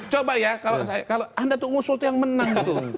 coba ya kalau anda tuh ngusul itu yang menang gitu